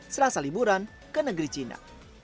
serasa liburan ke negeri cina